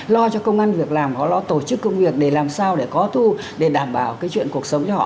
lo cho công an việc làm họ lo tổ chức công việc để làm sao để có thu để đảm bảo cái chuyện cuộc sống cho họ